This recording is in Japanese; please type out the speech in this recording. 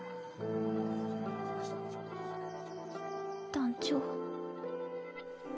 団長。